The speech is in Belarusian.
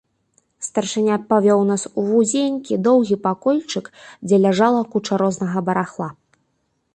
Старшыня павёў нас у вузенькі, доўгі пакойчык, дзе ляжала куча рознага барахла.